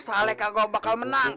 salek kagak bakal menang